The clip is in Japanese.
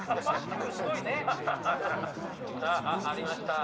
さぁありました。